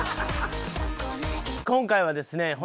今回はですね